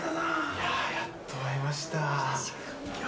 いやぁやっと会えました。